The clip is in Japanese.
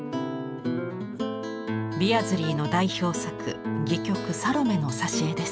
ビアズリーの代表作戯曲「サロメ」の挿絵です。